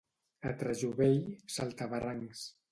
A Trejuvell, saltabarrancs.